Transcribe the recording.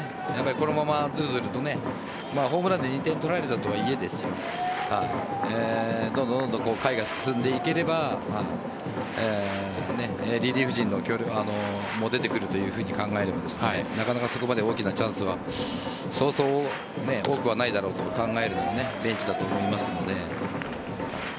このまま、ずるずるとホームランで２点取られたとはいえどんどん回が進んでいければリリーフ陣も出てくると考えればなかなかそこまで大きなチャンスはそうそう多くはないだろうと考えるのもベンチだと思いますので。